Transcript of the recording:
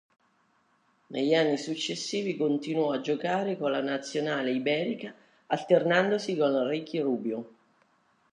Negli anni successivi continuò a giocare con la nazionale iberica alternandosi con Ricky Rubio.